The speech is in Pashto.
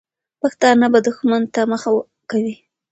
پښتانه به دښمن ته مخه کوي.